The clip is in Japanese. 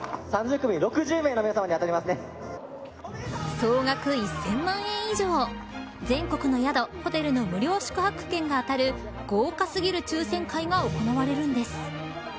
総額１０００万円以上全国の宿・ホテルの無料宿泊券が当たる豪華過ぎる抽選会が行われるんです。